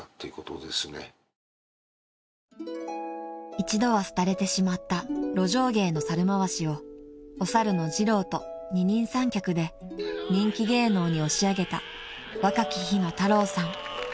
［一度は廃れてしまった路上芸の猿まわしをお猿の次郎と二人三脚で人気芸能に押し上げた若き日の太郎さん］